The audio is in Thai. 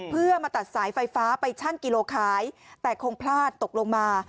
เพื่อมาตัดสายไฟฟ้าไปชั่งกิโลขายแต่คงพลาดตกลงมา